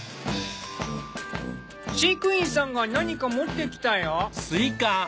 飼育員さんが何か持ってきたよ。